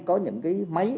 có những cái máy